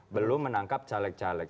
belum menangkap caleg caleg